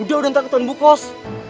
udah udah ntar ketahuan bukos